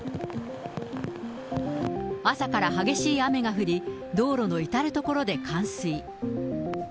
朝から激しい雨が降り、道路の至る所で冠水。